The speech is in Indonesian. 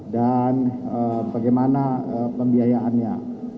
dan bagaimana pembiayaannya